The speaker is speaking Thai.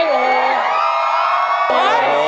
จ๊ะ